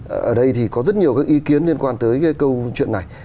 ở đây thì có rất nhiều cái ý kiến liên quan tới cái câu chuyện này